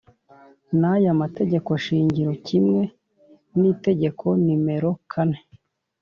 n aya mategeko shingiro kimwe n Itegeko nimero kane